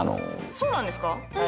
そうなんですか